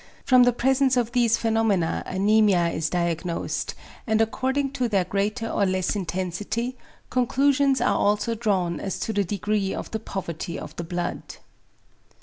From the presence of these phenomena anæmia is diagnosed, and according to their greater or less intensity, conclusions are also drawn as to the degree of the poverty of the blood.